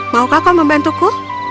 maukah kau membantuku